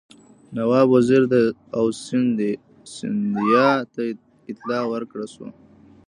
نواب وزیر او سیندهیا ته اطلاع ورکړه شوه.